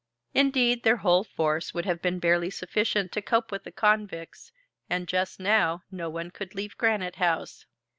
Indeed, their whole force would have been barely sufficient to cope with the convicts, and just now no one could leave Granite House.